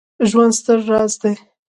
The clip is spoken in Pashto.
ژوند ستر راز دی